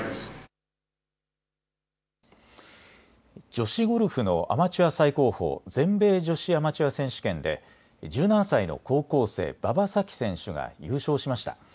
女子ゴルフのアマチュア最高峰、全米女子アマチュア選手権で１７歳の高校生、馬場咲希選手が優勝しました。